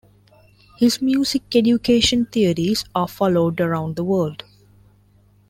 His music education theories are followed around the world.